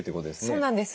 そうなんです。